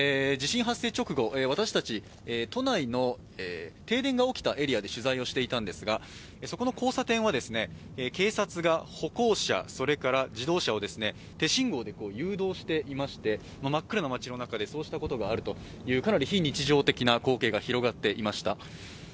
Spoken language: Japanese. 地震発生直後私達、都内の停電が起きたエリアで取材をしていたんですがそこの交差点はですね、警察が歩行者、それから自動車をですね、手信号で誘導していまして、真っ黒な街の中でそうしたことがあるというかなり非日常的な光景が広がっていました